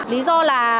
lý do là